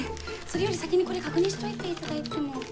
それより先にこれ確認しておいていただいても？